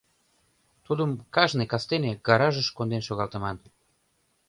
Тудым кажне кастене гаражыш конден шогалтыман.